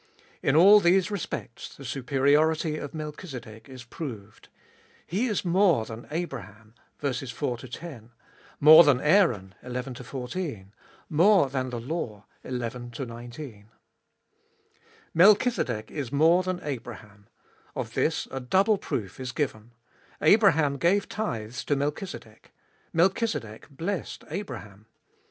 In all these respects the superiority of Melchizedek is proved. He is more than Abraham (4 10), more than Aaron (11 14), more than the law (11 19). Melchizedek is more than Abraham ; of this a double proof is given. Abraham gave tithes to Melchizedek; Melchizedek blessed Abraham.